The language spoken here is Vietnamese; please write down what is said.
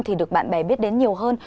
thì được bạn bè biết đến nhiều hơn